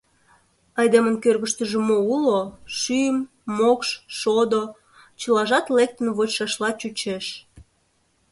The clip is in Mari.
Айдемын кӧргыштыжӧ мо уло: шӱм, мокш, шодо... — чылажат лектын вочшашла чучеш.